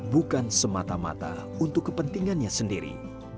bukan semata mata untuk kepentingannya sendiri